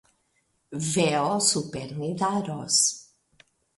Veo super Nidaros!